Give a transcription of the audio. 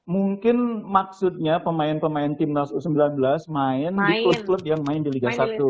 mungkin maksudnya pemain pemain timnas u sembilan belas main di klub klub yang main di liga satu